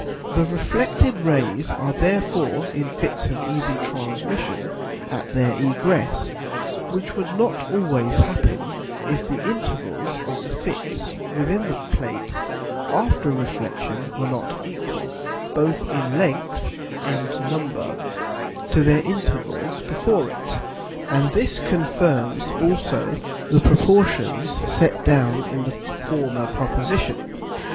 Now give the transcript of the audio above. The reflected Rays are therefore in Fits of easy Transmission at their egress; which would not always happen, if the Intervals of the Fits within the Plate after Reflexion were not equal, both in length and number, to their Intervals before it. And this confirms also the proportions set down in the former Proposition.